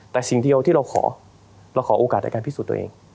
แต่สิ่งเดียวที่เราขอเราขอโอกาสในการพิสูจน์ตัวเอง